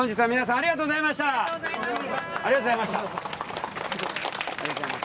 ありがとうございます。